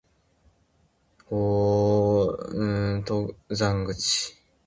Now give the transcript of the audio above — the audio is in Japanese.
大楠登山口